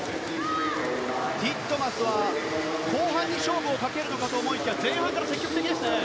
ティットマスは後半に勝負をかけるのかと思いきや前半から積極的ですね。